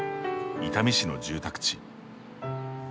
伊丹市の住宅地。